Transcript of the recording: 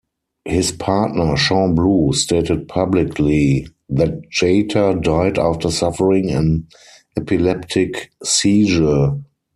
His partner, Sean Blue, stated publicly that Jeter died after suffering an epileptic seizure.